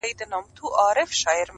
له کتابه یې سر پورته کړ اسمان ته-